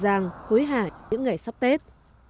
ràng hối hại những ngày sắp tết